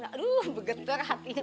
aduh bergetar hatinya